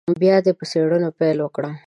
بیا دې په څېړنه پیل وکړي.